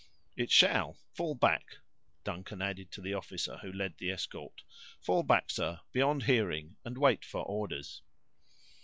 "It shall. Fall back," Duncan added to the officer who led the escort; "fall back, sir, beyond hearing, and wait for orders."